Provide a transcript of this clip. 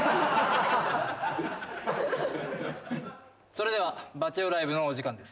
それではバチェ男ライブのお時間です。